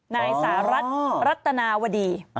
ในสหรัฐรัฐนาวดี